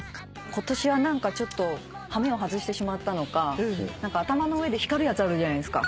今年は何かちょっと羽目を外してしまったのか頭の上で光るやつあるじゃないですか。